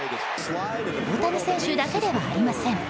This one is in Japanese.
大谷選手だけではありません。